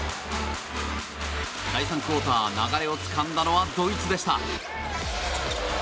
第３クオーター流れをつかんだのはドイツでした。